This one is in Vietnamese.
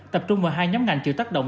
tập trung vào hai nhóm ngành chịu tác động